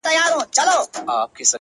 o که مي د دې وطن له کاڼي هم کالي څنډلي ـ